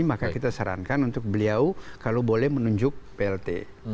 maka kita sarankan untuk beliau kalau boleh menunjuk plt